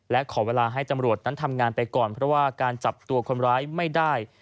และขอเวลาให้ตำรวจนั้นทำงานไปก่อนเพราะว่าการจับตัวคนร้ายไม่ได้